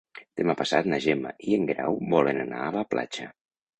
Demà passat na Gemma i en Guerau volen anar a la platja.